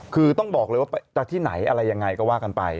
คือต้องบอกเลยว่าจะที่ไหนอะไรยังไงก็ว่ากันไป